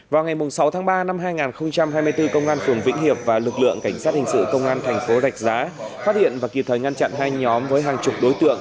vào ngày sáu tháng ba năm hai nghìn hai mươi bốn công an phường vĩnh hiệp và lực lượng cảnh sát hình sự công an thành phố rạch giá phát hiện và kịp thời ngăn chặn hai nhóm với hàng chục đối tượng